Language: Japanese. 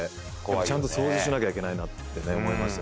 ちゃんと掃除しなきゃいけないなって思いました。